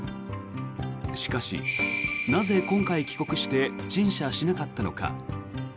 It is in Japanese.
しかし、なぜ今回、帰国して陳謝しなかったのか。